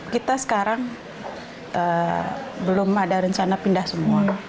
kita sekarang belum ada rencana pindah semua